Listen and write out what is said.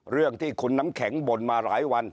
เรื่องที่คุณน้ำแข็งบ่นมาหลายวัน